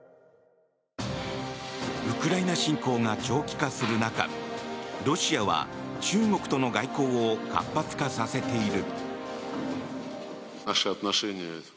ウクライナ侵攻が長期化する中ロシアは中国との外交を活発化させている。